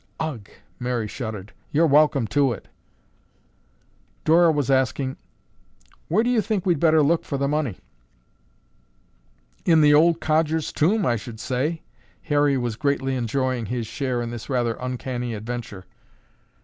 "Ugh!" Mary shuddered. "You're welcome to it." Dora was asking, "Where do you think we'd better look for the money?" "In the old codger's tomb, I should say." Harry was greatly enjoying his share in this rather uncanny adventure.